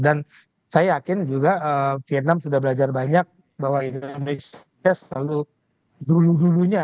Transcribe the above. dan saya yakin juga vietnam sudah belajar banyak bahwa indonesia selalu dulu dulunya